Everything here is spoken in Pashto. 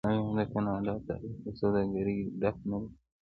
آیا د کاناډا تاریخ له سوداګرۍ ډک نه دی؟